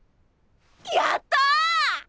やった！